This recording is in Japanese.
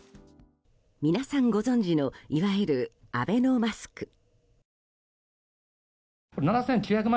皆さんご存じのいわゆるアベノマスク。